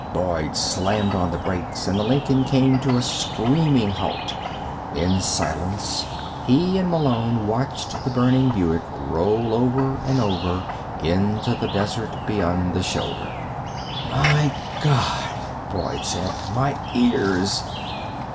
Boyd jammed on the brakes and the Lincoln came to a screaming halt. In silence he and Malone watched the burning Buick roll over and over into the desert beyond the shoulder. "My God," Boyd said. "My ears!"